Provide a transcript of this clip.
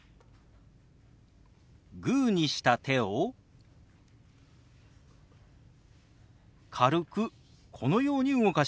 グーにした手を軽くこのように動かします。